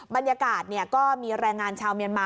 บรรยากาศก็มีแรงงานชาวเมียนมา